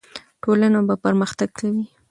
ټولنه به پرمختګ کوي.